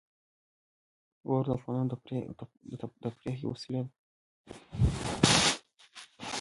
واوره د افغانانو د تفریح یوه وسیله ده.